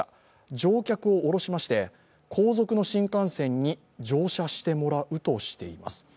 乗客を下ろしまして後続の新幹線に乗車してもらうとしています。